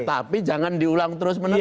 tapi jangan diulang terus menerus